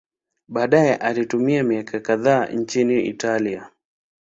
Baadaye alitumia miaka kadhaa nchini Italia.